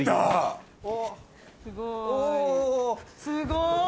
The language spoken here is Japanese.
すごい！